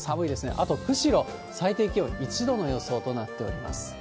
あと釧路、最低気温１度の予想となっております。